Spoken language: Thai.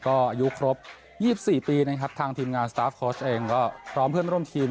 ก็อายุครบ๒๔ปีนะครับทางทีมงานสตาร์ฟโค้ชเองก็พร้อมเพื่อนร่วมทีม